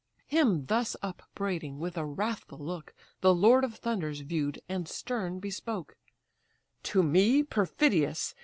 Him thus upbraiding, with a wrathful look The lord of thunders view'd, and stern bespoke: "To me, perfidious!